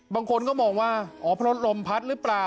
บางคนก็มองว่าอ๋อเพราะลมพัดหรือเปล่า